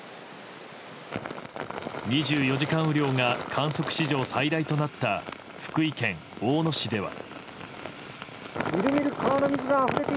２４時間雨量が観測史上最大となった福井県大野市では。